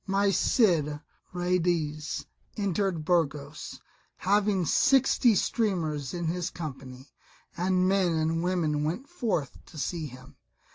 My Cid Ruydiez entered Burgos, having sixty streamers in his company. And men and women went forth to see him.